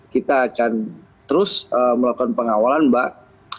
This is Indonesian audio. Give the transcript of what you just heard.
kita akan terus melakukan pengawalan mbak